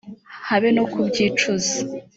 habe no kubyicuza